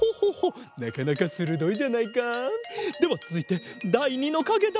なかなかするどいじゃないか！ではつづいてだい２のかげだ！